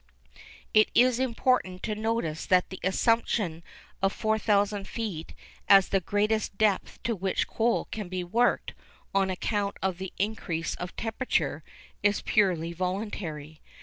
It is important to notice that the assumption of 4,000 feet as the greatest depth to which coal can be worked, on account of the increase of temperature, is purely voluntary.